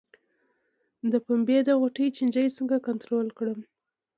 د پنبې د غوټې چینجی څنګه کنټرول کړم؟